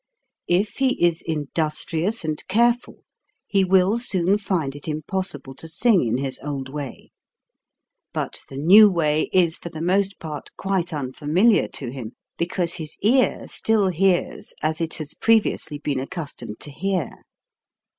If he is industrious and careful, he will soon find it im possible to sing in his old way ; but the new way is for the most part quite unfamiliar to him, because his ear still hears as it has previously been accustomed to hear.